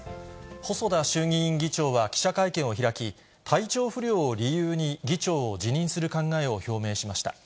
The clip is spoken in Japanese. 細田衆議院議長は記者会見を開き、体調不良を理由に議長を辞任する考えを表明しました。